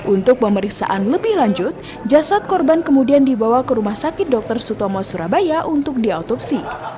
untuk pemeriksaan lebih lanjut jasad korban kemudian dibawa ke rumah sakit dr sutomo surabaya untuk diautopsi